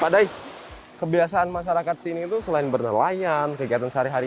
pak dai kebiasaan masyarakat sini itu selain bernelayan kegiatan sehari hari